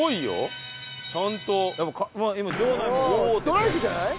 ストライクじゃない？